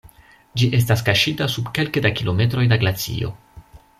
Ĝi estas kaŝita sub kelke da kilometroj da glacio.